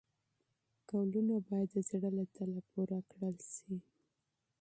وعدې باید د زړه له تله پوره کړل شي.